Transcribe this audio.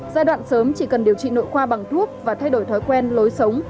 giai đoạn sớm chỉ cần điều trị nội khoa bằng thuốc và thay đổi thói quen lối sống